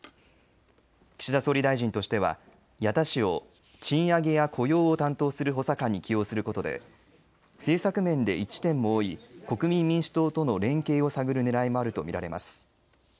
岸田総理大臣としては矢田氏を賃上げや雇用を担当する補佐官に起用することで政策面で一致点も多い国民民主党との連携を探るねらいもあると見られます。